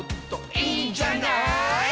「いいんじゃない」